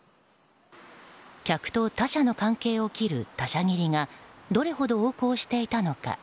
客と他社の関係を切る他社切りがどれほど横行していたのか。